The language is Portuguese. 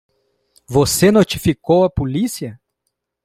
Você notificou a polícia?